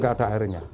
tidak ada airnya